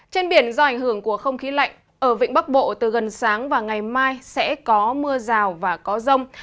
trên biển do ảnh hưởng của không khí lạnh ở vịnh bắc bộ từ gần sáng và ngày mai sẽ có mưa rào và có rông